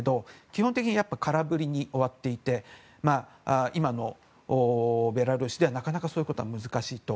基本的に空振りに終わっていて今のベラルーシではなかなかそういうことは難しいと。